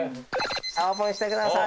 オープンしてください。